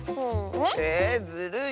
えずるい！